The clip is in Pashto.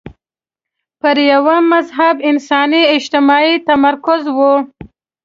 پر یوه مهذب انساني اجتماع یې تمرکز وي.